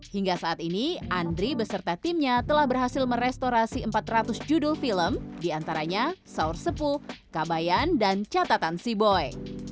hingga saat ini andri beserta timnya telah berhasil merestorasi empat ratus judul film diantaranya saur sepuh kabayan dan catatan seaboy